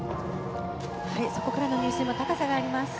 そこからの入水も高さがあります。